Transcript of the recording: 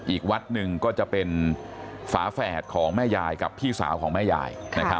อีกวัดหนึ่งก็จะเป็นฝาแฝดของแม่ยายกับพี่สาวของแม่ยาย